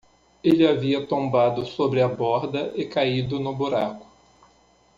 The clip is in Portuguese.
Ele havia tombado sobre a borda e caído no buraco.